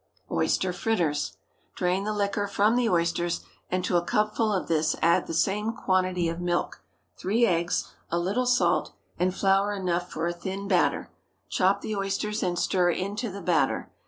OYSTER FRITTERS. ✠ Drain the liquor from the oysters, and to a cupful of this add the same quantity of milk, three eggs, a little salt, and flour enough for a thin batter. Chop the oysters and stir into the batter.